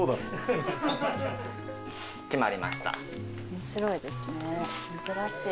面白いですね珍しい。